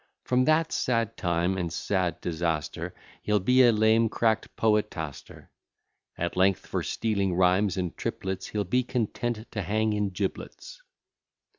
From that sad time, and sad disaster, He'll be a lame, crack'd poetaster. At length for stealing rhymes and triplets, He'll be content to hang in giblets.